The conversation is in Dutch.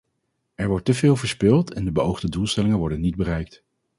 Er wordt teveel verspild en de beoogde doelstellingen worden niet bereikt.